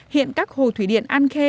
hiện các hồ thủy điện đang điều tiết xả lũ